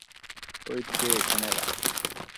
এই ট্রে এখানে রাখো।